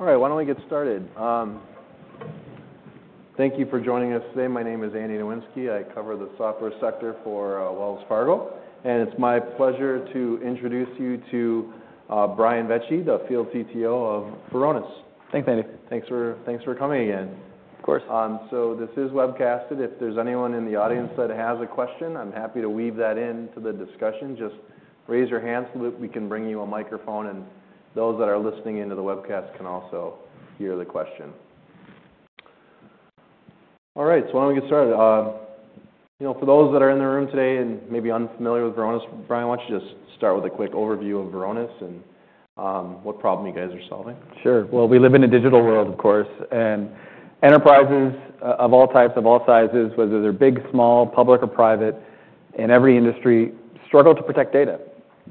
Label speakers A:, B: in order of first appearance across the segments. A: All right, why don't we get started? Thank you for joining us today. My name is Andy Nowinski. I cover the software sector for Wells Fargo, and it's my pleasure to introduce you to Brian Vecci, the Field CTO of Varonis.
B: Thanks, Andy.
A: Thanks for coming again.
B: Of course.
A: So this is webcasted. If there's anyone in the audience that has a question, I'm happy to weave that into the discussion. Just raise your hand so that we can bring you a microphone, and those that are listening into the webcast can also hear the question. All right, so why don't we get started? You know, for those that are in the room today and maybe unfamiliar with Varonis, Brian, why don't you just start with a quick overview of Varonis and what problem you guys are solving?
B: Sure. Well, we live in a digital world, of course. And enterprises of all types, of all sizes, whether they're big, small, public, or private, in every industry struggle to protect data.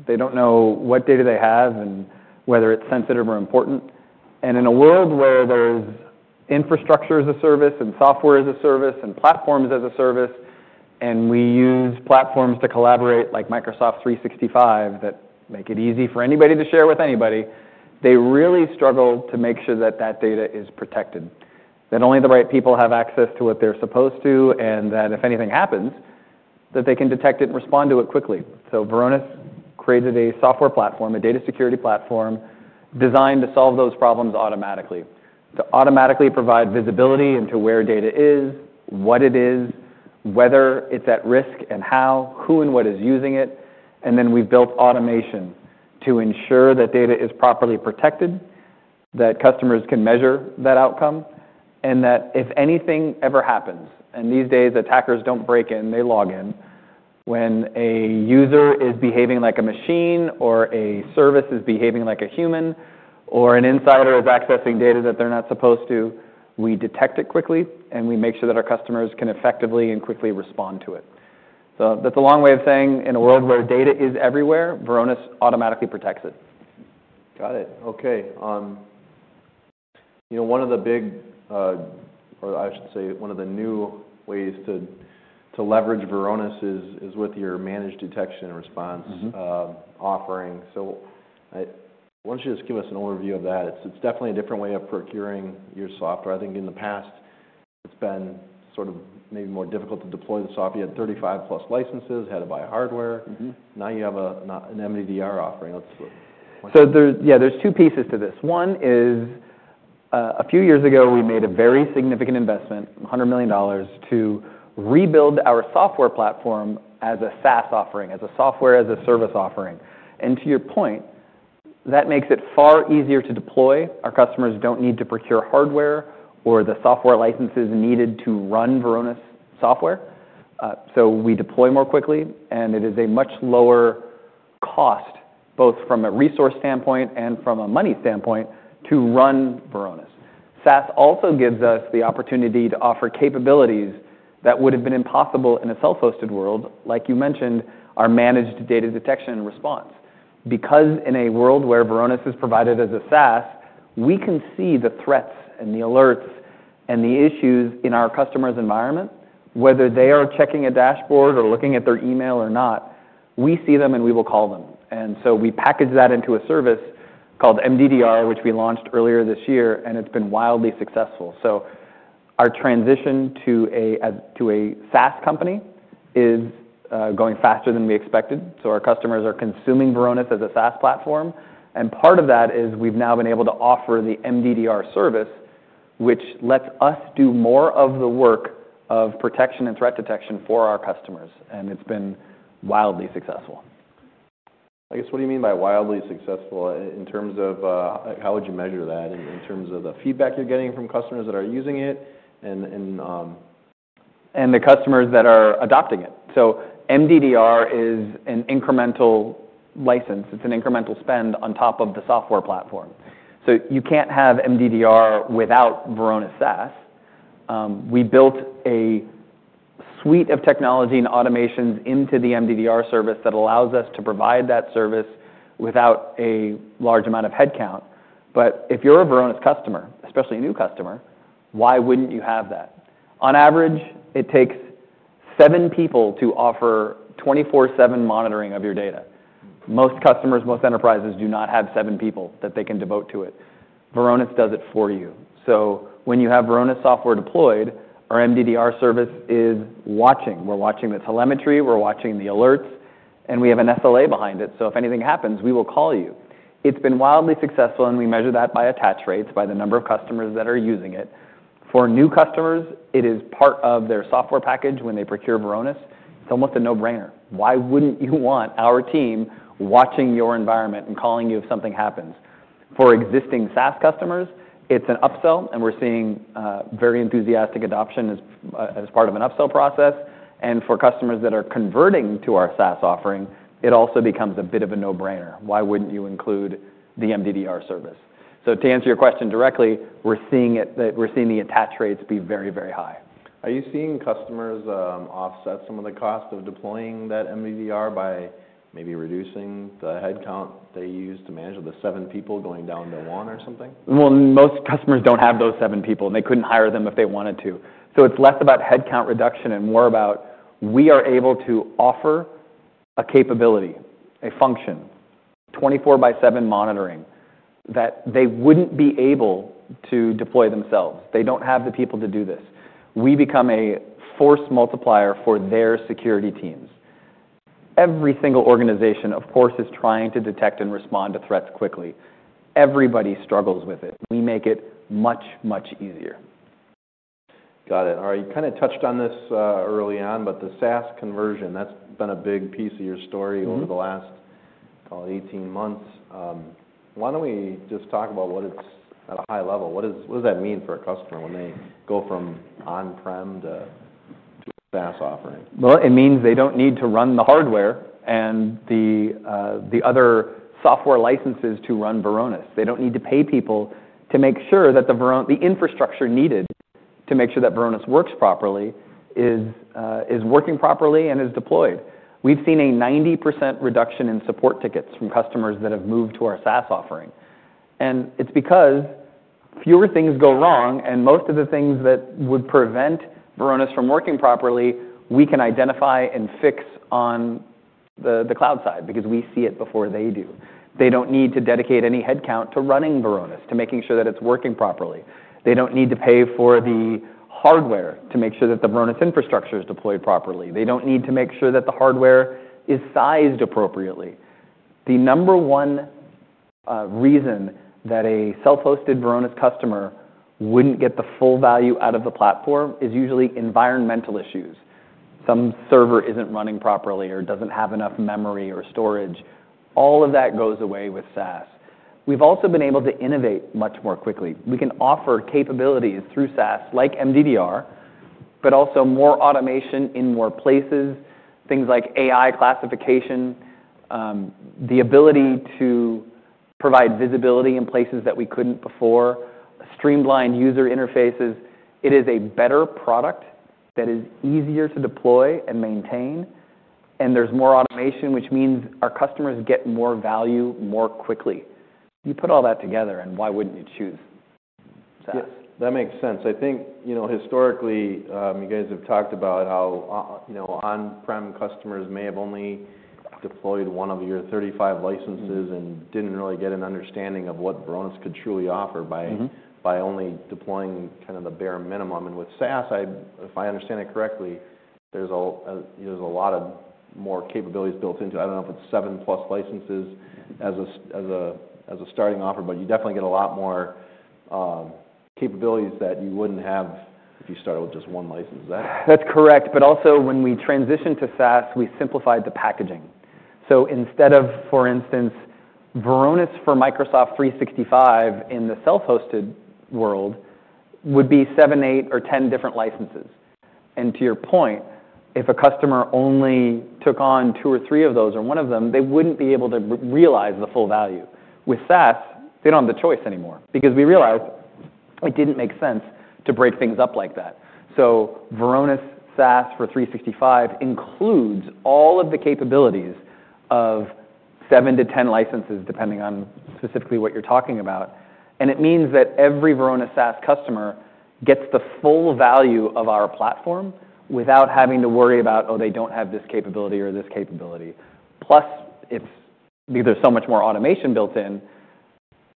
B: They don't know what data they have and whether it's sensitive or important. And in a world where there's infrastructure as a service and software as a service and platforms as a service, and we use platforms to collaborate like Microsoft 365 that make it easy for anybody to share with anybody, they really struggle to make sure that that data is protected, that only the right people have access to what they're supposed to, and that if anything happens, that they can detect it and respond to it quickly. Varonis created a software platform, a data security platform, designed to solve those problems automatically, to automatically provide visibility into where data is, what it is, whether it's at risk and how, who, and what is using it. And then we've built automation to ensure that data is properly protected, that customers can measure that outcome, and that if anything ever happens, and these days, attackers don't break in, they log in, when a user is behaving like a machine or a service is behaving like a human or an insider is accessing data that they're not supposed to, we detect it quickly, and we make sure that our customers can effectively and quickly respond to it. So that's a long way of saying in a world where data is everywhere, Varonis automatically protects it.
A: Got it. Okay. You know, one of the big, or I should say one of the new ways to leverage Varonis is with your Managed Data Detection and Response offering. So I want you to just give us an overview of that. It's definitely a different way of procuring your software. I think in the past, it's been sort of maybe more difficult to deploy the software. You had 35-plus licenses, had to buy hardware.
B: Mm-hmm.
A: Now you have an MDDR offering. Let's look.
B: Yeah, there's two pieces to this. One is, a few years ago, we made a very significant investment, $100 million, to rebuild our software platform as a SaaS offering, as a software as a service offering, and to your point, that makes it far easier to deploy. Our customers don't need to procure hardware or the software licenses needed to run Varonis software. So we deploy more quickly, and it is a much lower cost, both from a resource standpoint and from a money standpoint, to run Varonis. SaaS also gives us the opportunity to offer capabilities that would have been impossible in a self-hosted world, like you mentioned, our Managed Data Detection and Response. Because in a world where Varonis is provided as a SaaS, we can see the threats and the alerts and the issues in our customer's environment, whether they are checking a dashboard or looking at their email or not. We see them, and we will call them. And so we package that into a service called MDDR, which we launched earlier this year, and it's been wildly successful. So our transition to a SaaS company is going faster than we expected. So our customers are consuming Varonis as a SaaS platform. And part of that is we've now been able to offer the MDDR service, which lets us do more of the work of protection and threat detection for our customers. And it's been wildly successful.
A: I guess, what do you mean by wildly successful? In terms of how would you measure that in terms of the feedback you're getting from customers that are using it and, and, and the customers that are adopting it?
B: So MDDR is an incremental license. It's an incremental spend on top of the software platform. So you can't have MDDR without Varonis SaaS. We built a suite of technology and automations into the MDDR service that allows us to provide that service without a large amount of headcount. But if you're a Varonis customer, especially a new customer, why wouldn't you have that? On average, it takes seven people to offer 24/7 monitoring of your data. Most customers, most enterprises do not have seven people that they can devote to it. Varonis does it for you. So when you have Varonis software deployed, our MDDR service is watching. We're watching the telemetry. We're watching the alerts. And we have an SLA behind it. So if anything happens, we will call you. It's been wildly successful, and we measure that by attach rates, by the number of customers that are using it. For new customers, it is part of their software package when they procure Varonis. It's almost a no-brainer. Why wouldn't you want our team watching your environment and calling you if something happens? For existing SaaS customers, it's an upsell, and we're seeing very enthusiastic adoption as part of an upsell process. For customers that are converting to our SaaS offering, it also becomes a bit of a no-brainer. Why wouldn't you include the MDDR service? So to answer your question directly, we're seeing that the attach rates be very, very high.
A: Are you seeing customers offset some of the cost of deploying that MDDR by maybe reducing the headcount they use to manage the seven people going down to one or something?
B: Most customers don't have those seven people, and they couldn't hire them if they wanted to. So it's less about headcount reduction and more about we are able to offer a capability, a function, 24 by 7 monitoring that they wouldn't be able to deploy themselves. They don't have the people to do this. We become a force multiplier for their security teams. Every single organization, of course, is trying to detect and respond to threats quickly. Everybody struggles with it. We make it much, much easier.
A: Got it. All right. You kind of touched on this early on, but the SaaS conversion, that's been a big piece of your story over the last, call it, 18 months. Why don't we just talk about what it's at a high level? What does, what does that mean for a customer when they go from on-prem to, to a SaaS offering?
B: It means they don't need to run the hardware and the other software licenses to run Varonis. They don't need to pay people to make sure that the Varonis infrastructure needed to make sure that Varonis works properly is working properly and is deployed. We've seen a 90% reduction in support tickets from customers that have moved to our SaaS offering. It's because fewer things go wrong, and most of the things that would prevent Varonis from working properly, we can identify and fix on the cloud side because we see it before they do. They don't need to dedicate any headcount to running Varonis, to making sure that it's working properly. They don't need to pay for the hardware to make sure that the Varonis infrastructure is deployed properly. They don't need to make sure that the hardware is sized appropriately. The number one reason that a self-hosted Varonis customer wouldn't get the full value out of the platform is usually environmental issues. Some server isn't running properly or doesn't have enough memory or storage. All of that goes away with SaaS. We've also been able to innovate much more quickly. We can offer capabilities through SaaS like MDDR, but also more automation in more places, things like AI classification, the ability to provide visibility in places that we couldn't before, streamlined user interfaces. It is a better product that is easier to deploy and maintain, and there's more automation, which means our customers get more value more quickly. You put all that together, and why wouldn't you choose SaaS?
A: That makes sense. I think, you know, historically, you guys have talked about how, you know, on-prem customers may have only deployed one of your 35 licenses and didn't really get an understanding of what Varonis could truly offer by.
B: Mm-hmm.
A: By only deploying kind of the bare minimum. And with SaaS, if I understand it correctly, there's a lot more capabilities built into it. I don't know if it's seven-plus licenses as a starting offer, but you definitely get a lot more capabilities that you wouldn't have if you started with just one license. Is that?
B: That's correct. But also, when we transitioned to SaaS, we simplified the packaging. So instead of, for instance, Varonis for Microsoft 365 in the self-hosted world would be seven, eight, or ten different licenses. And to your point, if a customer only took on two or three of those or one of them, they wouldn't be able to re-realize the full value. With SaaS, they don't have the choice anymore because we realized it didn't make sense to break things up like that. So Varonis SaaS for 365 includes all of the capabilities of seven to ten licenses, depending on specifically what you're talking about. And it means that every Varonis SaaS customer gets the full value of our platform without having to worry about, "Oh, they don't have this capability or this capability." Plus, it's because there's so much more automation built in,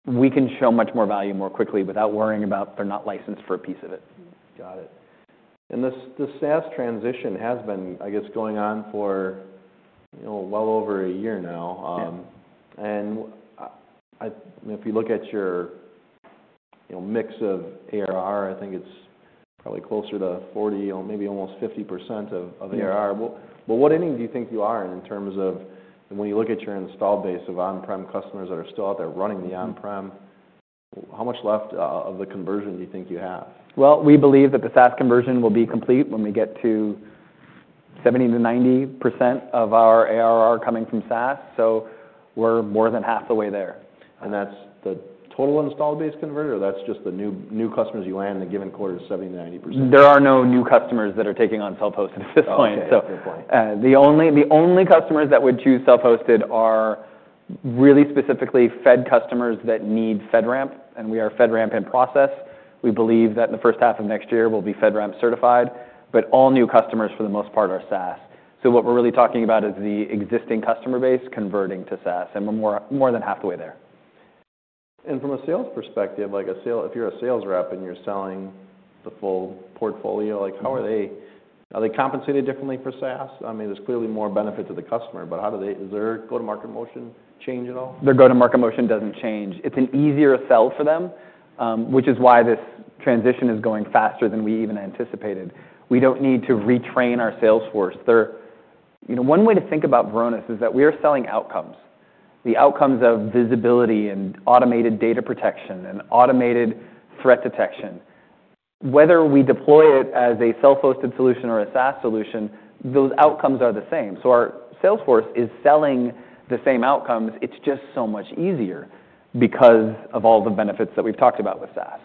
B: we can show much more value more quickly without worrying about they're not licensed for a piece of it.
A: Got it. And this, this SaaS transition has been, I guess, going on for, you know, well over a year now.
B: Yes.
A: If you look at your, you know, mix of ARR, I think it's probably closer to 40, maybe almost 50% of ARR.
B: Yes.
A: Well, but what inning do you think you are in terms of when you look at your installed base of on-prem customers that are still out there running the on-prem, how much left of the conversion do you think you have?
B: We believe that the SaaS conversion will be complete when we get to 70%-90% of our ARR coming from SaaS. We're more than half the way there.
A: That's the total install base converted, or that's just the new customers you add in a given quarter to 70%-90%?
B: There are no new customers that are taking on self-hosted at this point.
A: Okay. At this point.
B: The only customers that would choose self-hosted are really specifically Fed customers that need FedRAMP, and we are FedRAMP in process. We believe that in the first half of next year, we'll be FedRAMP certified. All new customers, for the most part, are SaaS. What we're really talking about is the existing customer base converting to SaaS, and we're more than half the way there.
A: And from a sales perspective, like a sale, if you're a sales rep and you're selling the full portfolio, like how are they?
B: Yes.
A: Are they compensated differently for SaaS? I mean, there's clearly more benefit to the customer, but how do they is their go-to-market motion change at all?
B: Their go-to-market motion doesn't change. It's an easier sell for them, which is why this transition is going faster than we even anticipated. We don't need to retrain our sales force. They're, you know, one way to think about Varonis is that we are selling outcomes, the outcomes of visibility and automated data protection and automated threat detection. Whether we deploy it as a self-hosted solution or a SaaS solution, those outcomes are the same. So our sales force is selling the same outcomes. It's just so much easier because of all the benefits that we've talked about with SaaS.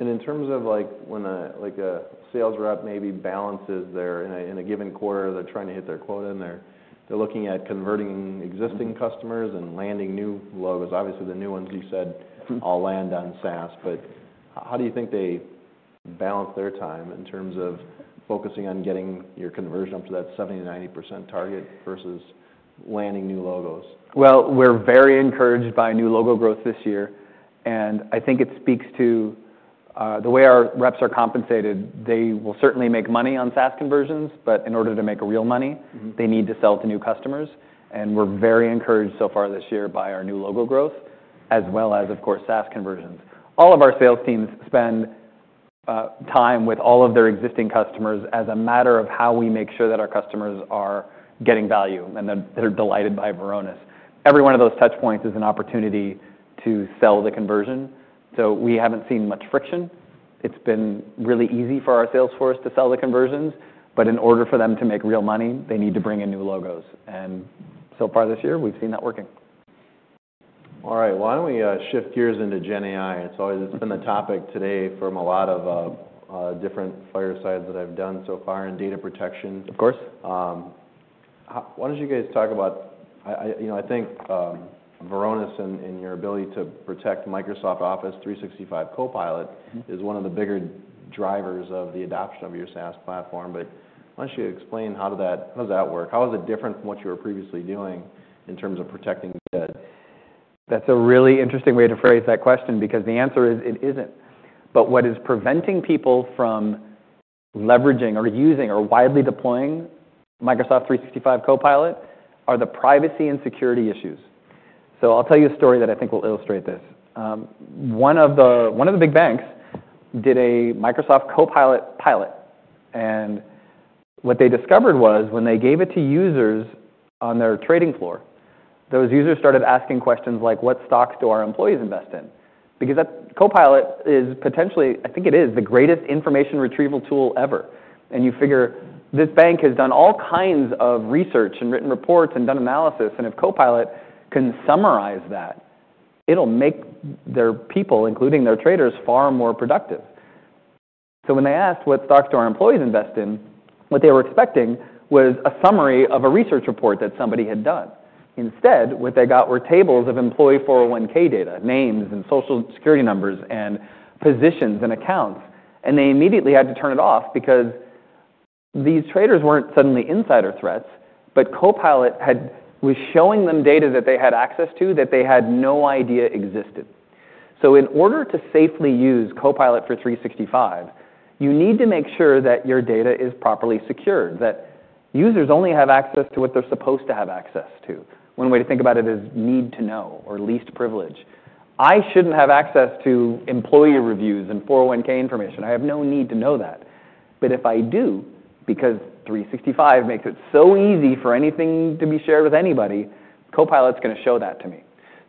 A: In terms of, like, when, like, a sales rep maybe balances their, in a given quarter, they're trying to hit their quota and they're looking at converting existing customers and landing new logos. Obviously, the new ones, you said.
B: Mm-hmm.
A: All land on SaaS, but how do you think they balance their time in terms of focusing on getting your conversion up to that 70%-90% target versus landing new logos?
B: We're very encouraged by new logo growth this year. I think it speaks to the way our reps are compensated. They will certainly make money on SaaS conversions, but in order to make real money.
A: Mm-hmm.
B: They need to sell to new customers. And we're very encouraged so far this year by our new logo growth, as well as, of course, SaaS conversions. All of our sales teams spend time with all of their existing customers as a matter of how we make sure that our customers are getting value and that they're delighted by Varonis. Every one of those touch points is an opportunity to sell the conversion. So we haven't seen much friction. It's been really easy for our sales force to sell the conversions, but in order for them to make real money, they need to bring in new logos. And so far this year, we've seen that working.
A: All right. Why don't we shift gears into GenAI? It's always been the topic today from a lot of different firesides that I've done so far in data protection.
B: Of course.
A: How, why don't you guys talk about, I, you know, I think, Varonis and your ability to protect Microsoft 365 Copilot.
B: Mm-hmm.
A: Is one of the bigger drivers of the adoption of your SaaS platform. But why don't you explain how did that, how does that work? How is it different from what you were previously doing in terms of protecting data?
B: That's a really interesting way to phrase that question because the answer is it isn't. But what is preventing people from leveraging or using or widely deploying Microsoft 365 Copilot are the privacy and security issues. So I'll tell you a story that I think will illustrate this. One of the big banks did a Microsoft Copilot pilot. And what they discovered was when they gave it to users on their trading floor, those users started asking questions like, "What stocks do our employees invest in?" Because that Copilot is potentially, I think it is the greatest information retrieval tool ever. And you figure this bank has done all kinds of research and written reports and done analysis. And if Copilot can summarize that, it'll make their people, including their traders, far more productive. When they asked, "What stocks do our employees invest in?" what they were expecting was a summary of a research report that somebody had done. Instead, what they got were tables of employee 401(k) data, names and Social Security numbers and positions and accounts. They immediately had to turn it off because these traders weren't suddenly insider threats, but Copilot was showing them data that they had access to that they had no idea existed. In order to safely use Copilot for 365, you need to make sure that your data is properly secured, that users only have access to what they're supposed to have access to. One way to think about it is need to know or least privilege. I shouldn't have access to employee reviews and 401(k) information. I have no need to know that. But if I do, because 365 makes it so easy for anything to be shared with anybody, Copilot's going to show that to me.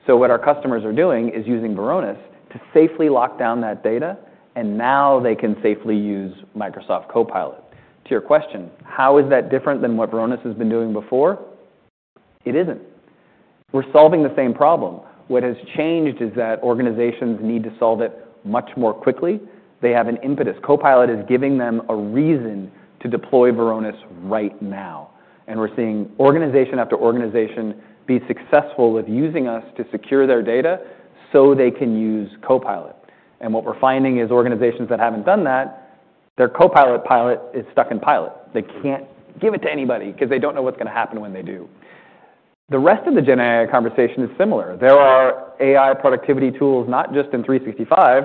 B: So what our customers are doing is using Varonis to safely lock down that data, and now they can safely use Microsoft Copilot. To your question, how is that different than what Varonis has been doing before? It isn't. We're solving the same problem. What has changed is that organizations need to solve it much more quickly. They have an impetus. Copilot is giving them a reason to deploy Varonis right now. And we're seeing organization after organization be successful with using us to secure their data so they can use Copilot. And what we're finding is organizations that haven't done that, their Copilot pilot is stuck in pilot. They can't give it to anybody because they don't know what's going to happen when they do. The rest of the GenAI conversation is similar. There are AI productivity tools, not just in 365,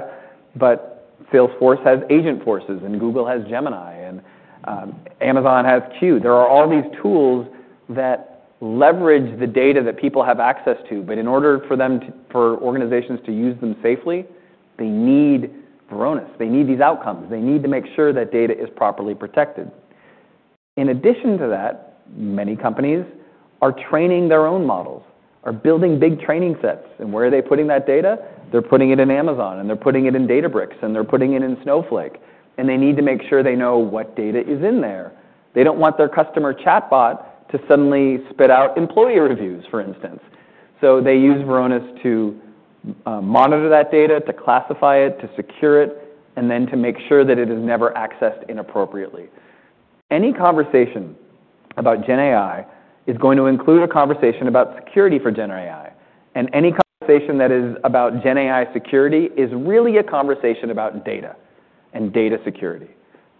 B: but Salesforce has Agentforce, and Google has Gemini, and Amazon has Q. There are all these tools that leverage the data that people have access to. But in order for them to, for organizations to use them safely, they need Varonis. They need these outcomes. They need to make sure that data is properly protected. In addition to that, many companies are training their own models, are building big training sets. And where are they putting that data? They're putting it in Amazon, and they're putting it in Databricks, and they're putting it in Snowflake. And they need to make sure they know what data is in there. They don't want their customer chatbot to suddenly spit out employee reviews, for instance. They use Varonis to monitor that data, to classify it, to secure it, and then to make sure that it is never accessed inappropriately. Any conversation about GenAI is going to include a conversation about security for GenAI. Any conversation that is about GenAI security is really a conversation about data and data security.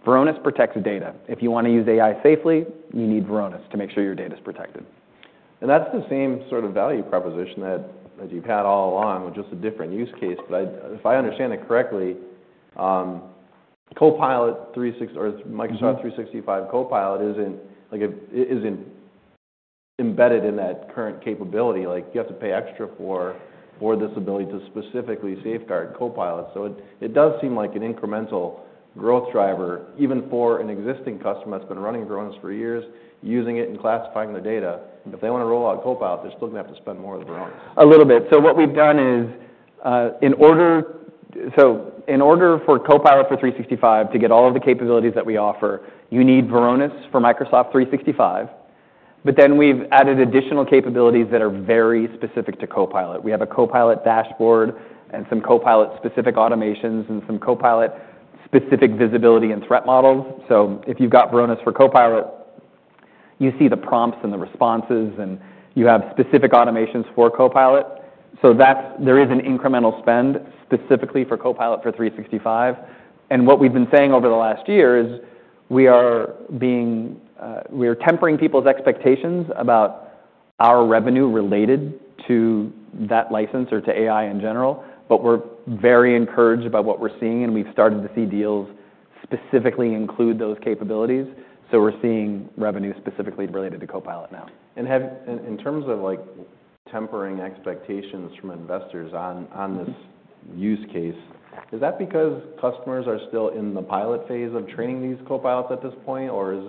B: Varonis protects data. If you want to use AI safely, you need Varonis to make sure your data's protected.
A: And that's the same sort of value proposition that, that you've had all along, just a different use case. But I, if I understand it correctly, Copilot for 365 or Microsoft 365 Copilot isn't like a, isn't embedded in that current capability. Like, you have to pay extra for, for this ability to specifically safeguard Copilot. So it, it does seem like an incremental growth driver, even for an existing customer that's been running Varonis for years, using it and classifying their data. If they want to roll out Copilot, they're still going to have to spend more on Varonis.
B: A little bit. So what we've done is, in order for Copilot for 365 to get all of the capabilities that we offer, you need Varonis for Microsoft 365. But then we've added additional capabilities that are very specific to Copilot. We have a Copilot dashboard and some Copilot-specific automations and some Copilot-specific visibility and threat models. So if you've got Varonis for Copilot, you see the prompts and the responses, and you have specific automations for Copilot. So that's. There is an incremental spend specifically for Copilot for 365. And what we've been saying over the last year is we're tempering people's expectations about our revenue related to that license or to AI in general. But we're very encouraged by what we're seeing, and we've started to see deals specifically include those capabilities. So we're seeing revenue specifically related to Copilot now.
A: In terms of like tempering expectations from investors on this use case, is that because customers are still in the pilot phase of training these Copilots at this point, or is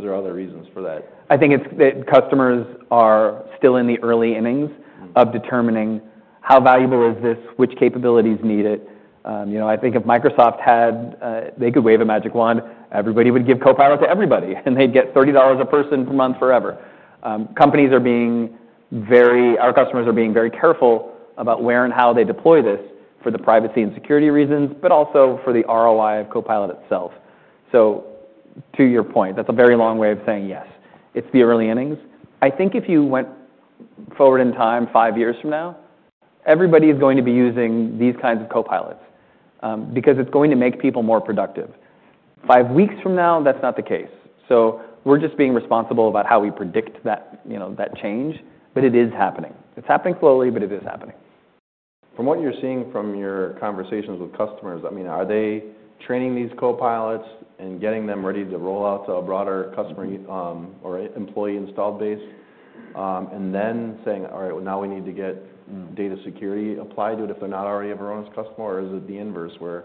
A: there other reasons for that?
B: I think it's that customers are still in the early innings of determining how valuable is this, which capabilities need it. You know, I think if Microsoft had, they could wave a magic wand, everybody would give Copilot to everybody, and they'd get $30 a person per month forever. Companies are being very, our customers are being very careful about where and how they deploy this for the privacy and security reasons, but also for the ROI of Copilot itself. So to your point, that's a very long way of saying yes. It's the early innings. I think if you went forward in time five years from now, everybody is going to be using these kinds of Copilots, because it's going to make people more productive. Five weeks from now, that's not the case. So we're just being responsible about how we predict that, you know, that change, but it is happening. It's happening slowly, but it is happening.
A: From what you're seeing from your conversations with customers, I mean, are they training these Copilots and getting them ready to roll out to a broader customer, or employee installed base, and then saying, "All right, now we need to get data security applied to it if they're not already a Varonis customer"? Or is it the inverse where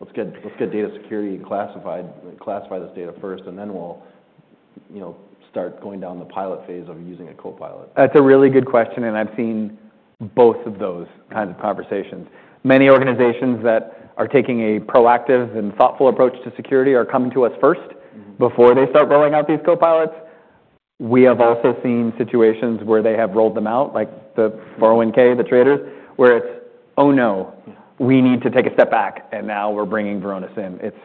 A: let's get, let's get data security classified, classify this data first, and then we'll, you know, start going down the pilot phase of using a Copilot?
B: That's a really good question, and I've seen both of those kinds of conversations. Many organizations that are taking a proactive and thoughtful approach to security are coming to us first before they start rolling out these Copilots. We have also seen situations where they have rolled them out, like the 401(k), the traders, where it's, "Oh, no, we need to take a step back," and now we're bringing Varonis in. It's,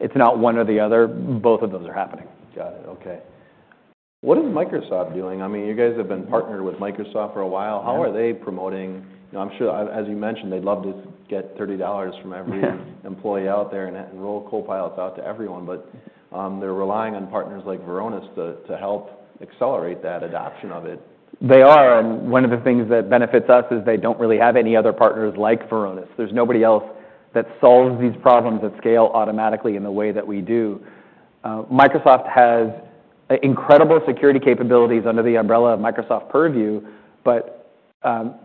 B: it's not one or the other. Both of those are happening.
A: Got it. Okay. What is Microsoft doing? I mean, you guys have been partnered with Microsoft for a while. How are they promoting? You know, I'm sure, as you mentioned, they'd love to get $30 from every employee out there and roll Copilots out to everyone. But, they're relying on partners like Varonis to help accelerate that adoption of it.
B: They are. And one of the things that benefits us is they don't really have any other partners like Varonis. There's nobody else that solves these problems at scale automatically in the way that we do. Microsoft has incredible security capabilities under the umbrella of Microsoft Purview. But,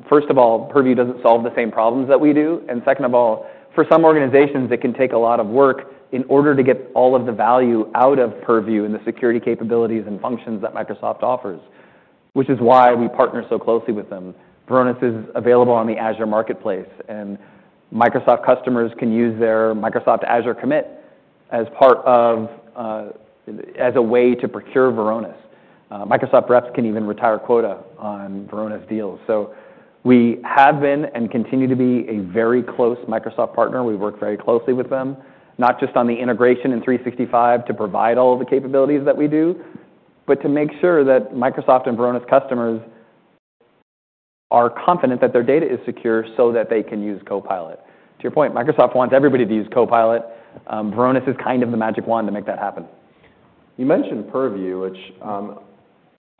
B: first of all, Purview doesn't solve the same problems that we do. And second of all, for some organizations, it can take a lot of work in order to get all of the value out of Purview and the security capabilities and functions that Microsoft offers, which is why we partner so closely with them. Varonis is available on the Azure Marketplace, and Microsoft customers can use their Microsoft Azure commit as part of, as a way to procure Varonis. Microsoft reps can even retire quota on Varonis deals. So we have been and continue to be a very close Microsoft partner. We work very closely with them, not just on the integration in 365 to provide all of the capabilities that we do, but to make sure that Microsoft and Varonis customers are confident that their data is secure so that they can use Copilot. To your point, Microsoft wants everybody to use Copilot. Varonis is kind of the magic wand to make that happen.
A: You mentioned Purview, which,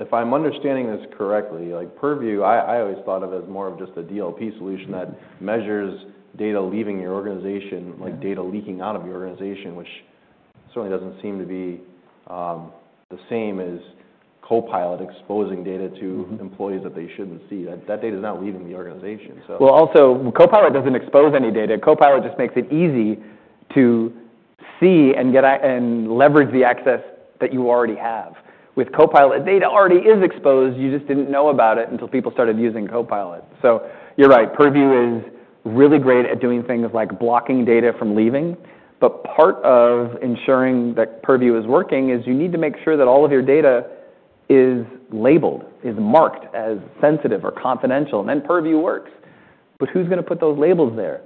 A: if I'm understanding this correctly, like Purview, I always thought of as more of just a DLP solution that measures data leaving your organization, like data leaking out of your organization, which certainly doesn't seem to be the same as Copilot exposing data to employees that they shouldn't see. That data's not leaving the organization, so.
B: Also, Copilot doesn't expose any data. Copilot just makes it easy to see and get and leverage the access that you already have. With Copilot, data already is exposed. You just didn't know about it until people started using Copilot. You're right. Purview is really great at doing things like blocking data from leaving. But part of ensuring that Purview is working is you need to make sure that all of your data is labeled, is marked as sensitive or confidential, and then Purview works. But who's going to put those labels there?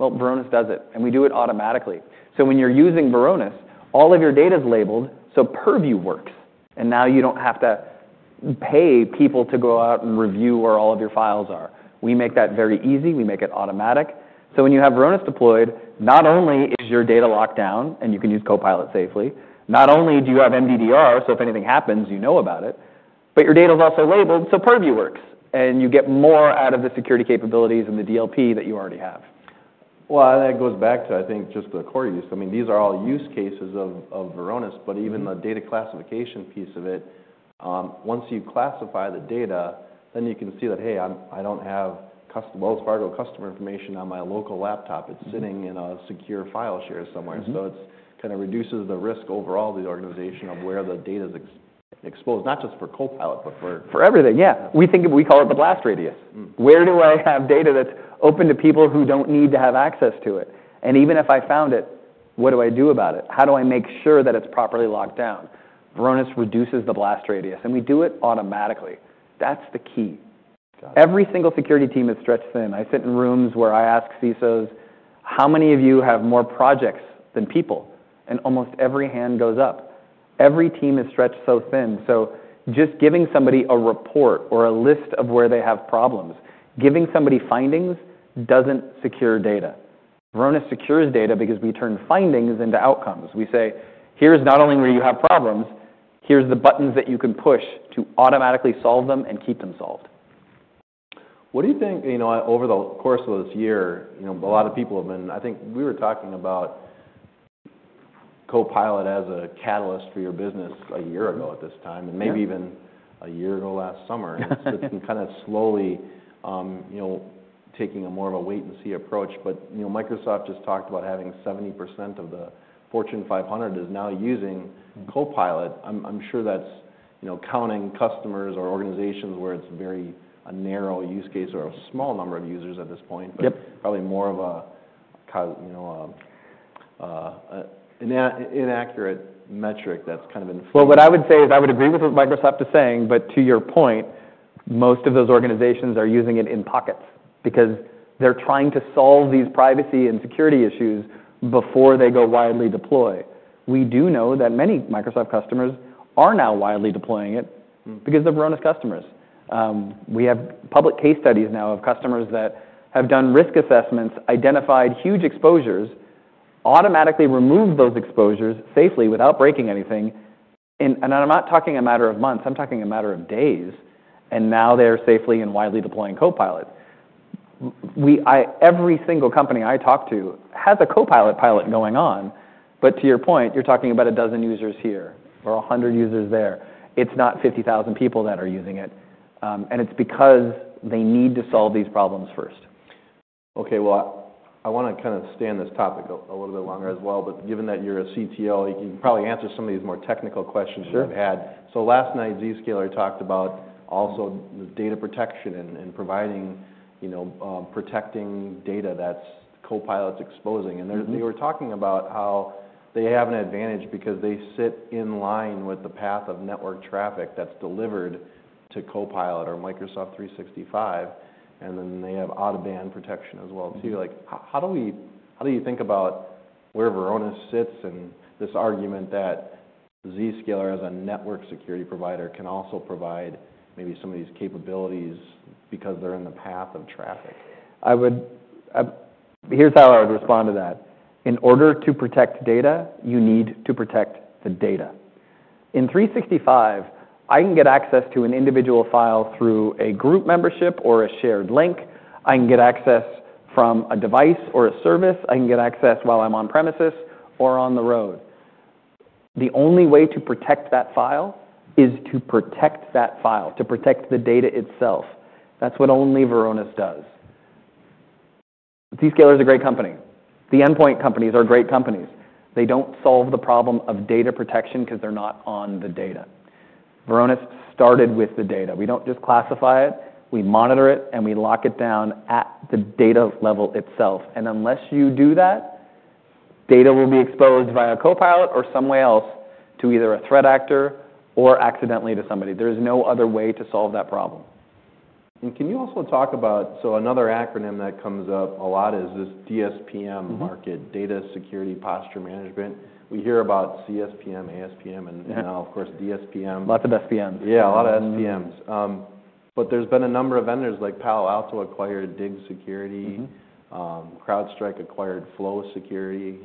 B: Varonis does it, and we do it automatically. When you're using Varonis, all of your data's labeled, so Purview works. Now you don't have to pay people to go out and review where all of your files are. We make that very easy. We make it automatic. When you have Varonis deployed, not only is your data locked down and you can use Copilot safely, not only do you have MDDR, so if anything happens, you know about it, but your data's also labeled, so Purview works, and you get more out of the security capabilities and the DLP that you already have.
A: Well, that goes back to, I think, just the core use. I mean, these are all use cases of, of Varonis, but even the data classification piece of it. Once you classify the data, then you can see that, "Hey, I don't have Wells Fargo customer information on my local laptop. It's sitting in a secure file share somewhere." So it kind of reduces the risk overall of the organization of where the data's exposed, not just for Copilot, but for.
B: For everything. Yeah. We think we call it the blast radius. Where do I have data that's open to people who don't need to have access to it, and even if I found it, what do I do about it? How do I make sure that it's properly locked down? Varonis reduces the blast radius, and we do it automatically. That's the key. Every single security team is stretched thin. I sit in rooms where I ask CISOs, "How many of you have more projects than people?" and almost every hand goes up. Every team is stretched so thin, so just giving somebody a report or a list of where they have problems, giving somebody findings doesn't secure data. Varonis secures data because we turn findings into outcomes. We say, "Here's not only where you have problems, here's the buttons that you can push to automatically solve them and keep them solved.
A: What do you think, you know, over the course of this year, you know, a lot of people have been. I think we were talking about Copilot as a catalyst for your business a year ago at this time, and maybe even a year ago last summer, so it's been kind of slowly, you know, taking a more of a wait-and-see approach. But, you know, Microsoft just talked about having 70% of the Fortune 500 is now using Copilot. I'm, I'm sure that's, you know, counting customers or organizations where it's very a narrow use case or a small number of users at this point, but probably more of a, you know, an inaccurate metric that's kind of in.
B: What I would say is I would agree with what Microsoft is saying. But to your point, most of those organizations are using it in pockets because they're trying to solve these privacy and security issues before they go widely deploy. We do know that many Microsoft customers are now widely deploying it because they're Varonis customers. We have public case studies now of customers that have done risk assessments, identified huge exposures, automatically removed those exposures safely without breaking anything. And I'm not talking a matter of months. I'm talking a matter of days. And now they're safely and widely deploying Copilot. Every single company I talk to has a Copilot pilot going on. But to your point, you're talking about a dozen users here or a hundred users there. It's not 50,000 people that are using it. And it's because they need to solve these problems first.
A: Okay. Well, I want to kind of stay on this topic a little bit longer as well. But given that you're a CTO, you can probably answer some of these more technical questions you've had. So last night, Zscaler talked about also the data protection and providing, you know, protecting data that's Copilot's exposing. And they were talking about how they have an advantage because they sit in line with the path of network traffic that's delivered to Copilot or Microsoft 365. And then they have out-of-band protection as well too. Like, how do you think about where Varonis sits and this argument that Zscaler as a network security provider can also provide maybe some of these capabilities because they're in the path of traffic?
B: I would, here's how I would respond to that. In order to protect data, you need to protect the data. In 365, I can get access to an individual file through a group membership or a shared link. I can get access from a device or a service. I can get access while I'm on premises or on the road. The only way to protect that file is to protect that file, to protect the data itself. That's what only Varonis does. Zscaler is a great company. The endpoint companies are great companies. They don't solve the problem of data protection because they're not on the data. Varonis started with the data. We don't just classify it. We monitor it, and we lock it down at the data level itself. Unless you do that, data will be exposed via Copilot or somewhere else to either a threat actor or accidentally to somebody. There is no other way to solve that problem.
A: Can you also talk about, so another acronym that comes up a lot is this DSPM, Data Security Posture Management. We hear about CSPM, ASPM, and now, of course, DSPM.
B: Lots of SPMs.
A: Yeah, a lot of SPMs. But there's been a number of vendors like Palo Alto acquired Dig Security. CrowdStrike acquired Flow Security,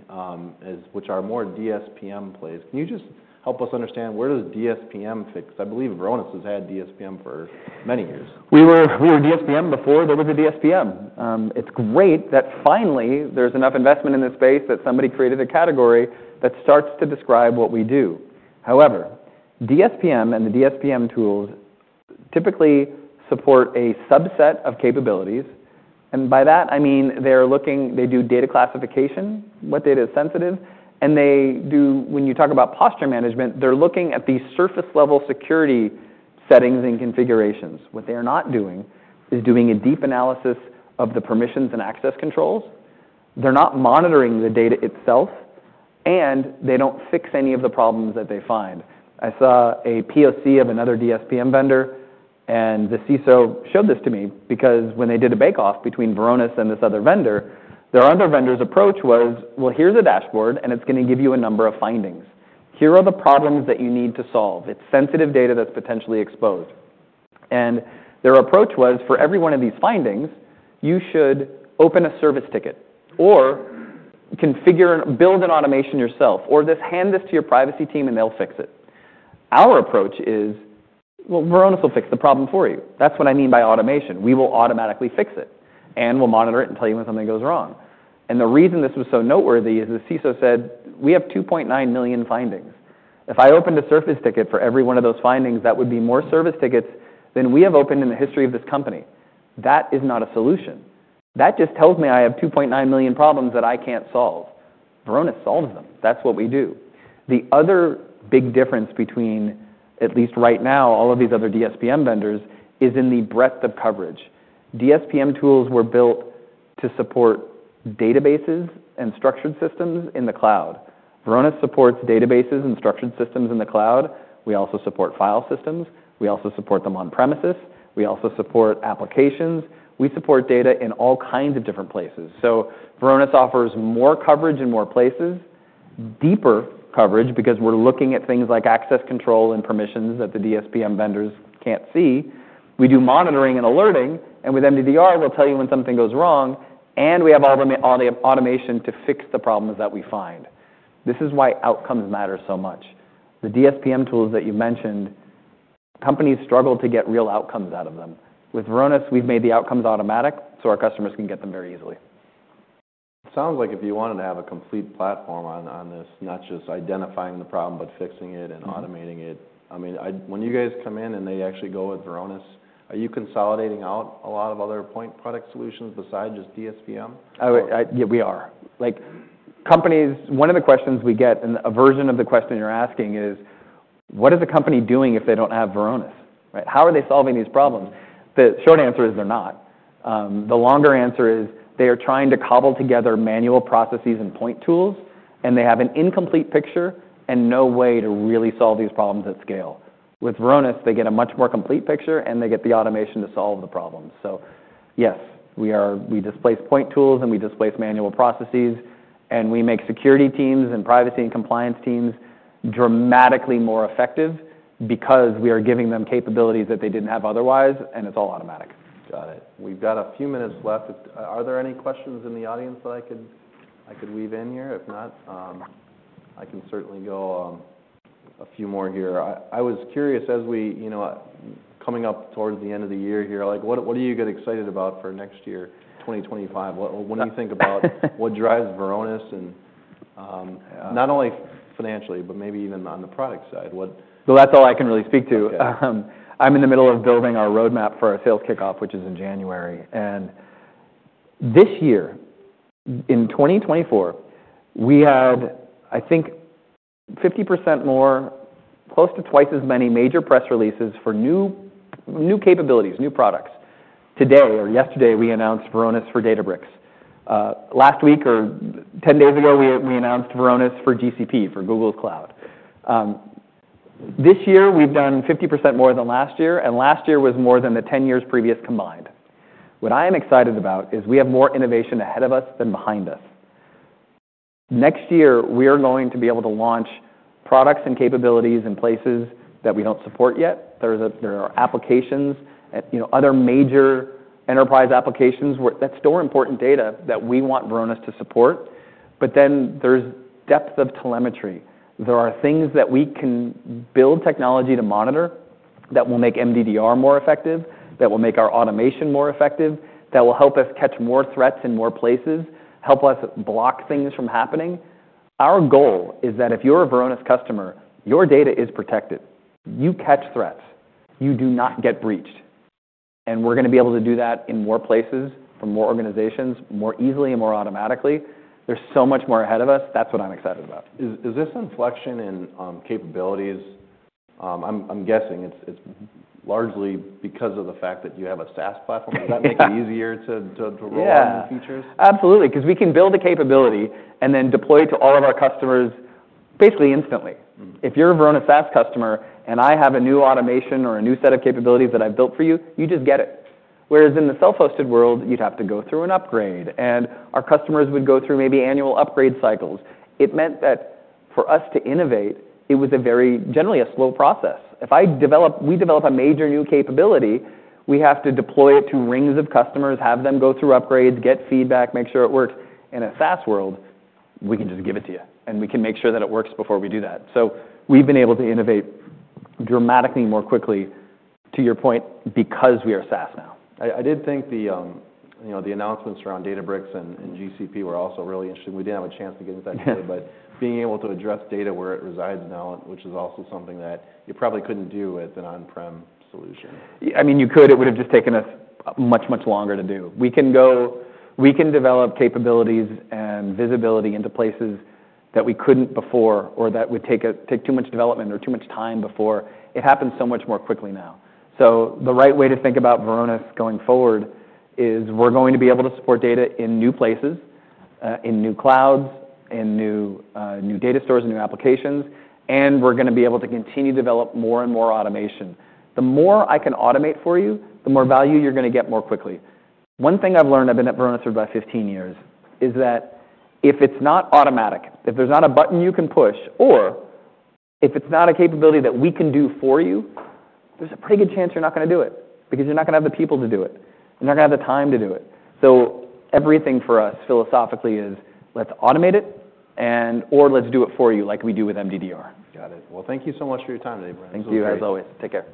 A: which are more DSPM plays. Can you just help us understand where does DSPM fit? Because I believe Varonis has had DSPM for many years.
B: We were DSPM before there was a DSPM. It's great that finally there's enough investment in this space that somebody created a category that starts to describe what we do. However, DSPM and the DSPM tools typically support a subset of capabilities. By that, I mean they're looking, they do data classification, what data is sensitive, and when you talk about posture management, they're looking at the surface-level security settings and configurations. What they are not doing is doing a deep analysis of the permissions and access controls. They're not monitoring the data itself, and they don't fix any of the problems that they find. I saw a POC of another DSPM vendor, and the CISO showed this to me because when they did a bake-off between Varonis and this other vendor, their other vendor's approach was, "Well, here's a dashboard, and it's going to give you a number of findings. Here are the problems that you need to solve. It's sensitive data that's potentially exposed." And their approach was, "For every one of these findings, you should open a service ticket or configure and build an automation yourself or just hand this to your privacy team, and they'll fix it." Our approach is, "Well, Varonis will fix the problem for you." That's what I mean by automation. We will automatically fix it and we'll monitor it and tell you when something goes wrong. And the reason this was so noteworthy is the CISO said, "We have 2.9 million findings. If I opened a service ticket for every one of those findings, that would be more service tickets than we have opened in the history of this company. That is not a solution. That just tells me I have 2.9 million problems that I can't solve." Varonis solves them. That's what we do. The other big difference between, at least right now, all of these other DSPM vendors is in the breadth of coverage. DSPM tools were built to support databases and structured systems in the cloud. Varonis supports databases and structured systems in the cloud. We also support file systems. We also support them on premises. We also support applications. We support data in all kinds of different places, so Varonis offers more coverage in more places, deeper coverage because we're looking at things like access control and permissions that the DSPM vendors can't see. We do monitoring and alerting, and with MDDR, we'll tell you when something goes wrong, and we have all the automation to fix the problems that we find. This is why outcomes matter so much. The DSPM tools that you mentioned, companies struggle to get real outcomes out of them. With Varonis, we've made the outcomes automatic so our customers can get them very easily.
A: It sounds like if you wanted to have a complete platform on this, not just identifying the problem but fixing it and automating it, I mean, when you guys come in and they actually go with Varonis, are you consolidating out a lot of other point product solutions besides just DSPM?
B: Yeah, we are. Like companies, one of the questions we get and a version of the question you're asking is, "What is a company doing if they don't have Varonis?" Right? How are they solving these problems? The short answer is they're not. The longer answer is they are trying to cobble together manual processes and point tools, and they have an incomplete picture and no way to really solve these problems at scale. With Varonis, they get a much more complete picture, and they get the automation to solve the problems. So yes, we are, we displace point tools, and we displace manual processes, and we make security teams and privacy and compliance teams dramatically more effective because we are giving them capabilities that they didn't have otherwise, and it's all automatic.
A: Got it. We've got a few minutes left. Are there any questions in the audience that I could weave in here? If not, I can certainly go a few more here. I was curious as we, you know, coming up towards the end of the year here, like, what are you getting excited about for next year, 2025? What do you think about what drives Varonis and, not only financially, but maybe even on the product side? What.
B: That's all I can really speak to. I'm in the middle of building our roadmap for our sales kickoff, which is in January. This year, in 2024, we had, I think, 50% more, close to twice as many major press releases for new, new capabilities, new products. Today or yesterday, we announced Varonis for Databricks. Last week or 10 days ago, we announced Varonis for GCP, for Google Cloud. This year, we've done 50% more than last year, and last year was more than the 10 years previous combined. What I am excited about is we have more innovation ahead of us than behind us. Next year, we are going to be able to launch products and capabilities in places that we don't support yet. There are applications and, you know, other major enterprise applications that store important data that we want Varonis to support. Then there's depth of telemetry. There are things that we can build technology to monitor that will make MDDR more effective, that will make our automation more effective, that will help us catch more threats in more places, help us block things from happening. Our goal is that if you're a Varonis customer, your data is protected. You catch threats. You do not get breached. We're going to be able to do that in more places, for more organizations, more easily and more automatically. There's so much more ahead of us. That's what I'm excited about.
A: Is this inflection in capabilities, I'm guessing it's largely because of the fact that you have a SaaS platform. Does that make it easier to roll out new features?
B: Yeah, absolutely. Because we can build a capability and then deploy it to all of our customers basically instantly. If you're a Varonis SaaS customer and I have a new automation or a new set of capabilities that I've built for you, you just get it. Whereas in the self-hosted world, you'd have to go through an upgrade, and our customers would go through maybe annual upgrade cycles. It meant that for us to innovate, it was a very, generally a slow process. If I develop, we develop a major new capability, we have to deploy it to rings of customers, have them go through upgrades, get feedback, make sure it works. In a SaaS world, we can just give it to you, and we can make sure that it works before we do that. So we've been able to innovate dramatically more quickly, to your point, because we are SaaS now.
A: I did think, you know, the announcements around Databricks and GCP were also really interesting. We didn't have a chance to get into that today, but being able to address data where it resides now, which is also something that you probably couldn't do with an on-prem solution.
B: I mean, you could. It would have just taken us much, much longer to do. We can go, we can develop capabilities and visibility into places that we couldn't before or that would take a, take too much development or too much time before. It happens so much more quickly now. So the right way to think about Varonis going forward is we're going to be able to support data in new places, in new clouds, in new, new data stores and new applications, and we're going to be able to continue to develop more and more automation. The more I can automate for you, the more value you're going to get more quickly. One thing I've learned, I've been at Varonis for about 15 years, is that if it's not automatic, if there's not a button you can push, or if it's not a capability that we can do for you, there's a pretty good chance you're not going to do it because you're not going to have the people to do it. You're not going to have the time to do it. So everything for us philosophically is let's automate it and/or let's do it for you like we do with MDDR.
A: Got it. Well, thank you so much for your time today, Brian.
B: Thank you as always. Take care.